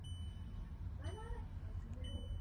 مقوله ده: له ډېری درملو نه پرهېز غور دی.